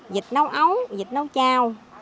dịch nấu ấu dịch nấu chao